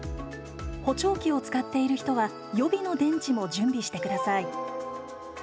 補聴器を使っている人は予備の電池も準備してください。